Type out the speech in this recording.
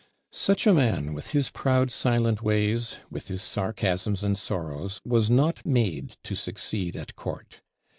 Such a man, with his proud silent ways, with his sarcasms and sorrows, was not made to succeed at court.